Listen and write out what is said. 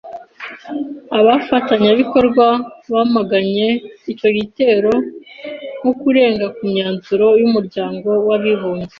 Abafatanyabikorwa bamaganye icyo gitero nko kurenga ku myanzuro y’umuryango w’abibumbye.